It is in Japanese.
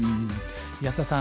安田さん